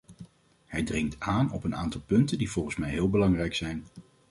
Hij dringt aan op een aantal punten die volgens mij heel belangrijk zijn.